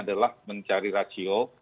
adalah mencari rasio